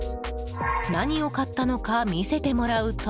何を買ったのか見せてもらうと。